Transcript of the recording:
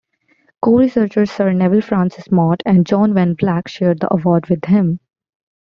Co-researchers Sir Nevill Francis Mott and John van Vleck shared the award with him.